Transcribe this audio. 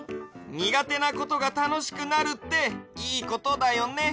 にがてなことがたのしくなるっていいことだよね。